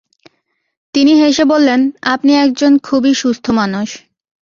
তিনি হেসে বললেন, আপনি এক জন খুবই সুস্থ মানুষ।